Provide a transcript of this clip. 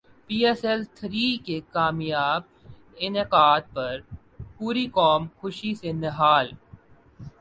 پی S L three کے کامیاب انعقاد پر پوری قوم خوشی سے نہال